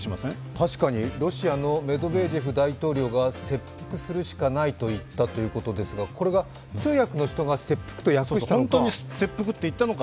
確かにロシアのメドベージェフ大統領が切腹するしかないと言ったということですがこれが通訳の人が切腹と訳したのか。